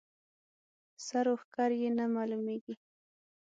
سر و ښکر یې نه معلومېږي.